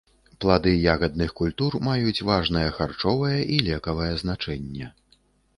Плады ягадных культур маюць важнае харчовае і лекавае значэнне.